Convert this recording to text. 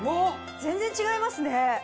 全然違いますね。